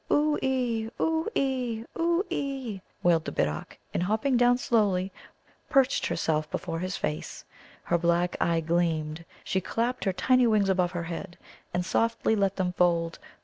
"Oo ee, oo ee, oo ee!" wailed the Bittock, and hopping down slowly, perched herself before his face. Her black eye gleamed. She clapped her tiny wings above her head, and softly let them fold.